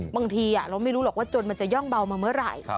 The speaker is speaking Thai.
บางทีเราไม่รู้หรอกว่าจนมันจะย่องเบามาเมื่อไหร่